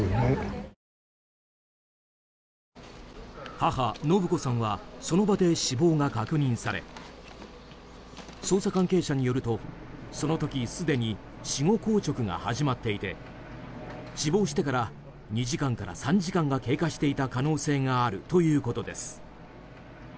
母・延子さんはその場で死亡が確認され捜査関係者によるとその時、すでに死後硬直が始まっていて死亡してから２時間から３時間が経過していた可能性があるということです。